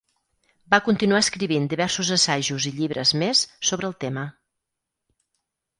Va continuar escrivint diversos assajos i llibres més sobre el tema.